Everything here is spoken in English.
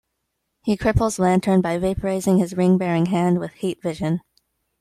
He cripples Lantern by vaporizing his ring-bearing hand with heat vision.